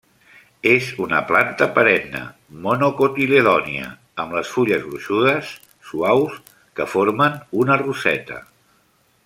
És una planta perenne monocotiledònia amb les fulles gruixudes, suaus que formen una roseta.